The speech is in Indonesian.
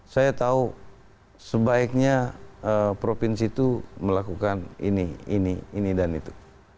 saya tahu sebaiknya provinsi itu melakukan ini ini ini dan itu